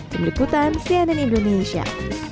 tim liputan cnn indonesia